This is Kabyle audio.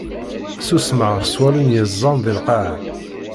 Susmeɣ s wallen yeẓẓan di lqaɛa.